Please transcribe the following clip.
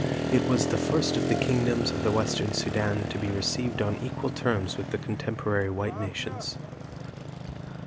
It was the first of the kingdoms of the Western Sudan to be received on equal terms with the contemporary white nations.